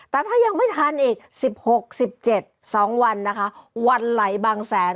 แต่ถ้ายังไม่ทันอีก๑๖๑๗๒วันนะคะวันไหลบางแสน